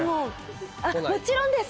もちろんです！